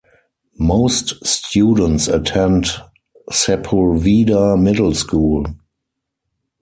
Most students attend Sepulveda Middle School.